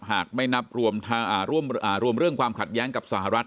หากไม่นับรวมเรื่องความขัดแย้งกับสหรัฐ